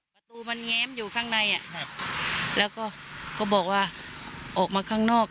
ประตูมันแง้มอยู่ข้างในแล้วก็ก็บอกว่าออกมาข้างนอก